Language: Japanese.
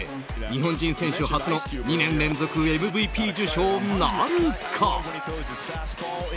日本人選手初の２年連続ＭＶＰ受賞なるか。